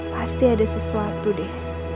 pasti ada sesuatu deh